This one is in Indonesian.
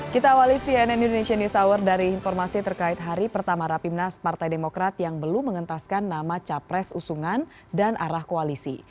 kita awali cnn indonesia news hour dari informasi terkait hari pertama rapimnas partai demokrat yang belum mengentaskan nama capres usungan dan arah koalisi